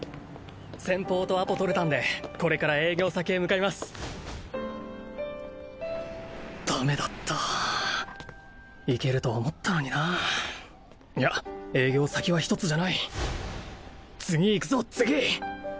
先方とアポ取れたんでこれから営業先へ向かいますダメだったいけると思ったのにないや営業先は一つじゃない次行くぞ次！